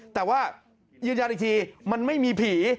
แต่ว่ายืนยันอีกทีมันไม่มีผี